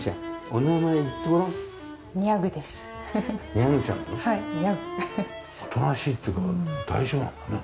おとなしいっていうか大丈夫なんだね。